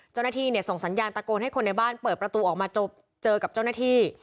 เจ้าหน้าที่ส่งสัญญาณตะโกนให้คนในบ้านเปิดประตูออกมาเจอกับเจ้าหน้าที่